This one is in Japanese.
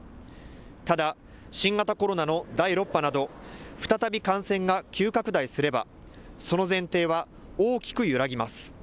ただ、新型コロナの第６波など再び感染が急拡大すればその前提は大きく揺らぎます。